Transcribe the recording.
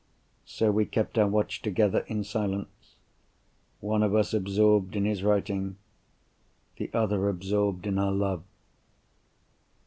So we kept our watch together in silence. One of us absorbed in his writing; the other absorbed in her love.